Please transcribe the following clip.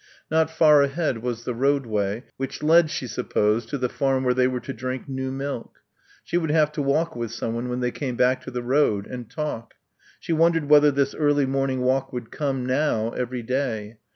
Not far ahead was the roadway which led, she supposed to the farm where they were to drink new milk. She would have to walk with someone when they came to the road, and talk. She wondered whether this early morning walk would come, now, every day.